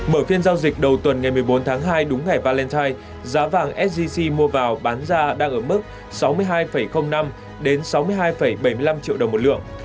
mở phiên giao dịch đầu tuần ngày một mươi bốn tháng hai đúng ngày valentine giá vàng sgc mua vào bán ra đang ở mức sáu mươi hai năm đến sáu mươi hai bảy mươi năm triệu đồng một lượng